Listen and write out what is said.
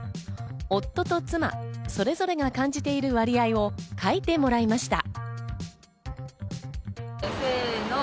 夫と妻、それぞれが感じている割合を書いてもらいました。